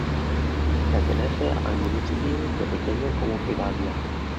Pertenece al municipio de Requena como pedanía.